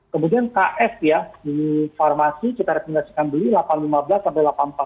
kemudian kf ya di farmasi kita rekomendasikan beli delapan ratus lima belas sampai delapan ratus empat puluh